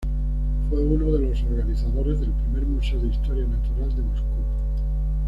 Fue uno de los organizadores del primer museo de historia natural de Moscú.